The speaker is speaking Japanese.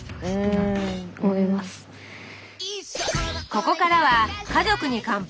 ここからは「家族に乾杯」